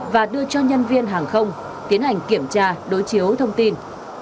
và đưa cho nhân viên hàng không tiến hành kiểm tra đối chiếu thông tin